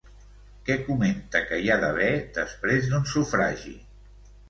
Què comenta que hi ha d'haver després d'un sufragi?